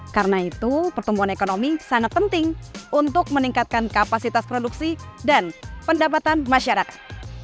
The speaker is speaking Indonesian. karena itu pertumbuhan ekonomi sangat penting untuk meningkatkan kapasitas produksi dan pendapatan masyarakat